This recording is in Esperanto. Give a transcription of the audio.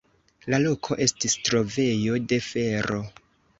La loko estis trovejo de fero.